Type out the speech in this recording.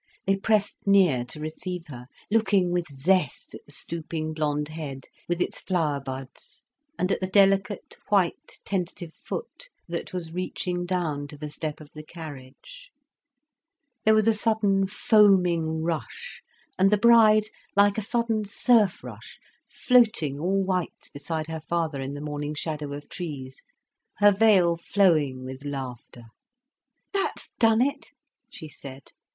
They pressed near to receive her, looking with zest at the stooping blond head with its flower buds, and at the delicate, white, tentative foot that was reaching down to the step of the carriage. There was a sudden foaming rush, and the bride like a sudden surf rush, floating all white beside her father in the morning shadow of trees, her veil flowing with laughter. "That's done it!" she said.